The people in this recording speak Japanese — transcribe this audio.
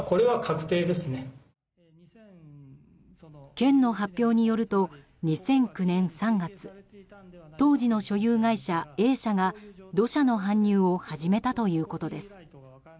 県の発表によると２００９年３月当時の所有会社Ａ社が土砂の搬入を始めたということです。